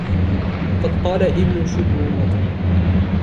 وَقَدْ قَالَ ابْنُ شُبْرُمَةَ